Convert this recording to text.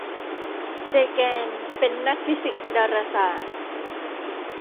เซแกนเป็นนักฟิสิกส์ดาราศาสตร์